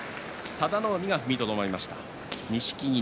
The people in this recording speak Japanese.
佐田の海、踏みとどまりました。